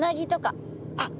あっ